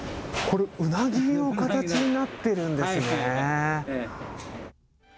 うなぎの形になってるんですね。